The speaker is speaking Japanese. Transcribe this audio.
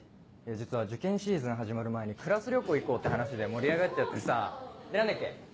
実は受験シーズン始まる前にクラス旅行行こうって話で盛り上がっちゃってさぁで何だっけ？